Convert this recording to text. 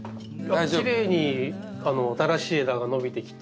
きれいに新しい枝が伸びてきて。